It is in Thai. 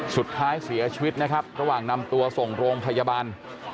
สุดท้ายเสียชีวิตนะครับระหว่างนำตัวส่งโรงพยาบาล